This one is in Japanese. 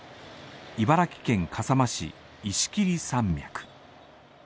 茨城県笠間市、石切山脈。